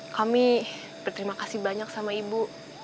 kami berterima kasih banyak sama ibu